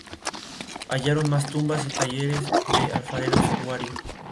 Hallaron más tumbas y talleres de alfareros huari.